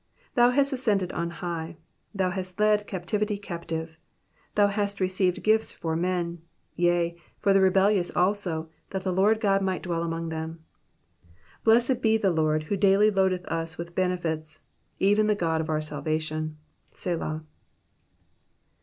1 8 Thou hast ascended on high, thou hast led captivity cap tive : thou hast received gifts for men ; yea, for the rebelUous also, that the LORD God might dwell among them, 19 Blessed be the Lord, who daily loadeth us with benefits^ even the God of our salvation. Selah.